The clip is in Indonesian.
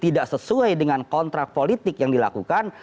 tidak sesuai dengan kontrak politik yang dilakukan